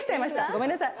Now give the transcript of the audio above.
ごめんなさい。